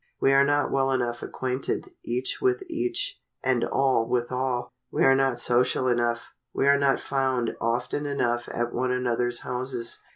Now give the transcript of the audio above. We are not well enough acquainted each with each, and all with all. We are not social enough. We are not found often enough at one another's houses.